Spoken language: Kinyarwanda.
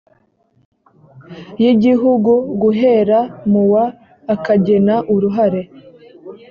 y igihugu guhera mu wa akagena uruhare